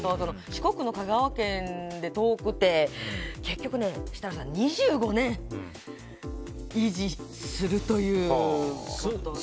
四国の香川県で遠くて結局、設楽さん２５年、維持するということに。